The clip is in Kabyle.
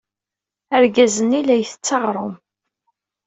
Argaz-nni la ittett aɣrum.